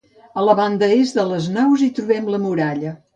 A la banda est de les naus hi trobem la muralla.